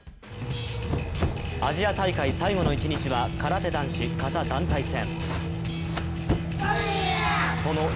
アジア大会最後の１日は空手男子・形・団体戦。